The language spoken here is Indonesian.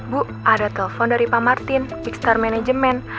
bu ada telepon dari pak martin big star management